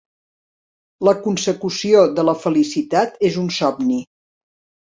La consecució de la felicitat és un somni.